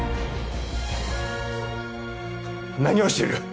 何をしている？